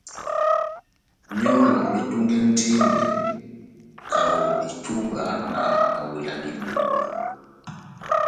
Myɔ́lɔ metungɛndini kaho itubwa na mawela dibuwa.